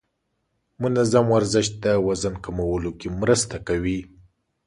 منظم ورزش د وزن کمولو کې مرسته کوي.